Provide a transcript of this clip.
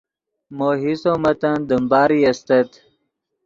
مو حصو متن دیم باری استت